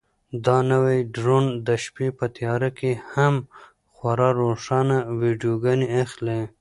دا نوی ډرون د شپې په تیاره کې هم خورا روښانه ویډیوګانې اخلي.